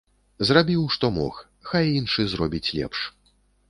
Зрабіў, што мог, хай іншы зробіць лепш.